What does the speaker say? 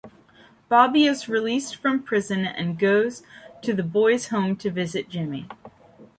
Bobby is released from prison and goes to the boys home to visit Jimmy.